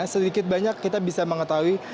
sedikit banyak kita bisa mengetahui